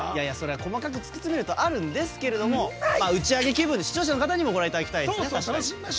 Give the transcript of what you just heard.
細かく突き詰めるとあるんですけど打ち上げ気分で視聴者の皆さんにもご覧いただきたいですね。